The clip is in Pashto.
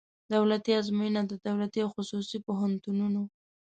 دولتي آزموینه د دولتي او خصوصي پوهنتونونو